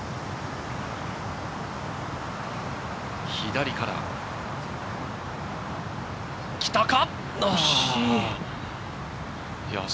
左から、来たか？